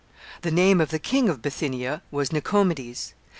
The name of the king of Bithynia was Nicomedes.